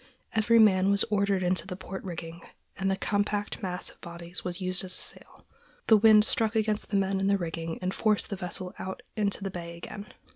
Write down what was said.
Every man was ordered into the port rigging, and the compact mass of bodies was used as a sail. The wind struck against the men in the rigging and forced the vessel out into the bay again.